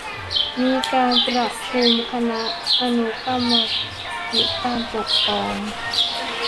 มีการประชุมคณะอนุกรรมาธิการปกครอง